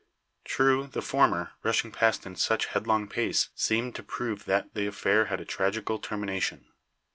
True, the former, rushing past in such headlong pace, seemed to prove that the affair had a tragical termination.